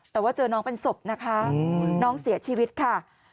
แต่ว่าเจอน้องเป็นศพนะคะน้องเสียชีวิตค่ะ